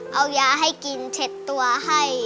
เอายาให้กินเช็ดตัวให้